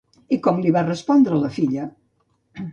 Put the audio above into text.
I com li va respondre la filla?